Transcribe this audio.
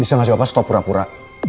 bisa gak siapa setopura pura